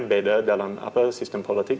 beda dalam sistem politik